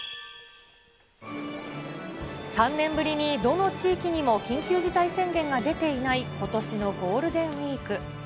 ３年ぶりにどの地域にも緊急事態宣言が出ていないことしのゴールデンウィーク。